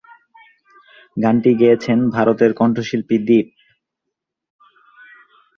গানটি গেয়েছেন ভারতের কণ্ঠশিল্পী দীপ।